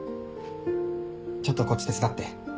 ちょっとこっち手伝って。